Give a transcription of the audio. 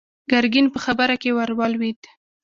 ګرګين په خبره کې ور ولوېد.